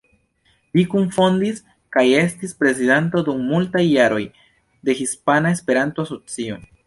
Li kunfondis kaj estis prezidanto dum multaj jaroj de Hispana Esperanto-Asocio.